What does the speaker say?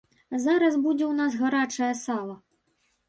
Зараз будзе ў нас гарачае сала.